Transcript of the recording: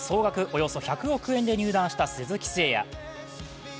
およそ１００億円で入団した鈴木誠也。